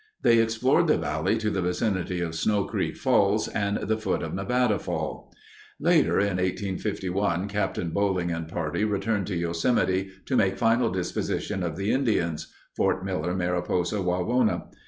They explored the valley to the vicinity of Snow Creek Falls and the foot of Nevada Fall. Later in 1851 Captain Boling and party returned to Yosemite to make final disposition of the Indians (Fort Miller Mariposa Wawona).